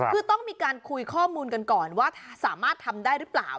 คือต้องมีการคุยข้อมูลกันก่อนว่าสามารถทำได้หรือเปล่า